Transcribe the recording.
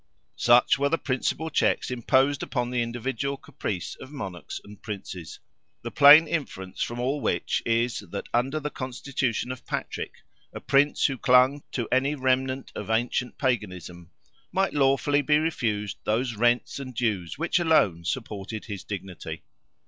Such were the principal checks imposed upon the individual caprice of Monarchs and Princes; the plain inference from all which is, that under the Constitution of Patrick, a Prince who clung to any remnant of ancient Paganism, might lawfully be refused those rents and dues which alone supported his dignity.